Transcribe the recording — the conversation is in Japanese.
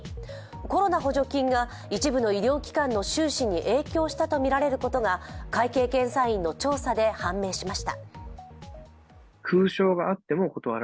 コロナ補助金が一文の医療機関の収支に影響したとみられることが会計検査院の調査で判明しました。